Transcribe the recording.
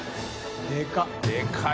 でかい。